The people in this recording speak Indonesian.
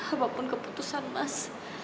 apapun keputusan mas